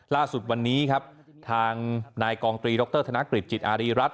ล่าสุดวันนี้ครับทางนายกองตรีดรธนกฤษจิตอารีรัฐ